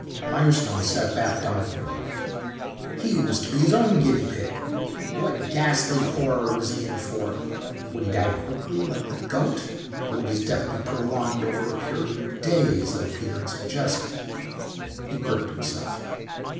Mirestone sat back dumbfounded. He was to be his own guinea pig. What ghastly horror was he in for? Would he die quickly like the goat or would his death be prolonged over a period of days like Peter had suggested. He gripped himself.